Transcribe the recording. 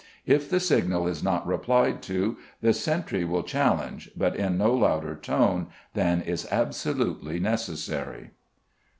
If the signal is not replied to, the sentry will challenge, but in no louder tone than is absolutely necessary.